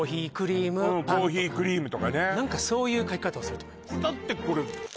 コーヒークリームとかねそういう書き方をすると思いますだって